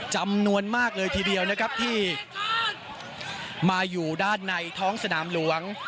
จำนวนมากเลยทีเดียวนะครับที่มาอยู่ด้านในท้องสนามหลวง